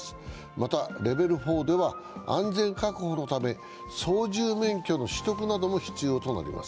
またレベル４では安全確保のため操縦免許の取得なども必要になります。